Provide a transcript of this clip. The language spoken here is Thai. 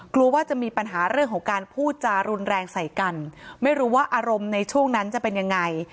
กลัวว่าจะมีปัญหาเรื่องของการพูดจารุนแรงใส่กันไม่รู้ว่าอารมณ์ในช่วงนั้นจะเป็นยังไง